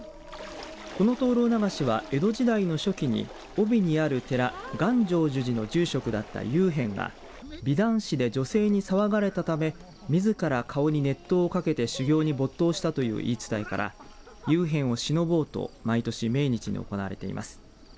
この灯籠流しは江戸時代の初期に飫肥にある寺願成就寺の住職だった祐遍が美男子で女性に騒がれたためみずから顔に熱湯をかけて修行に没頭したという言い伝えから祐遍をしのぼうと毎年、命日に行われています。